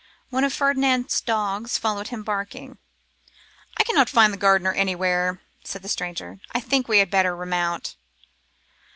One of Ferdinand's dogs followed him barking. 'I cannot find the gardener anywhere,' said the stranger; 'I think we had better remount.